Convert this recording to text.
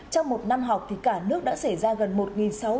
trong một năm học thì cả nước đã xảy ra gần hơn một triệu đồng